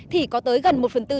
thì có tới gần một phần tư